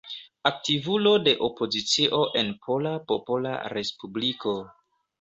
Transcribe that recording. Aktivulo de opozicio en Pola Popola Respubliko.